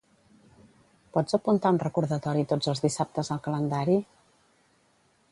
Pots apuntar un recordatori tots els dissabtes al calendari?